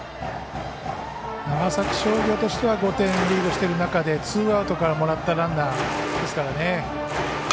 長崎商業としては５点リードしている中でツーアウトからもらったランナーですからね。